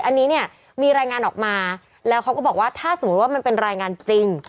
อันนี้เนี่ยมีรายงานออกมาแล้วเขาก็บอกว่าถ้าสมมุติว่ามันเป็นรายงานจริง